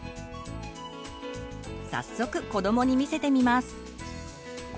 早速子どもに見せてみます。